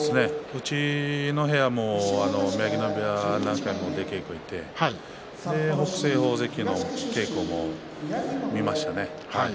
うちも宮城野部屋に何回も出稽古に行って北青鵬の稽古を見ましたね。